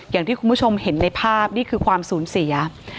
อย่างที่คุณผู้ชมเห็นในภาพนี่คือความสูญเสีย